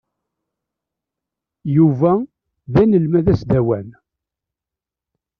Yuba d anelmad asdawan.